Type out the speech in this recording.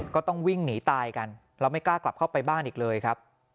ก็ต้องวิ่งหนีตายกันแล้วไม่กล้ากลับเข้าไปบ้านอีกเลยครับ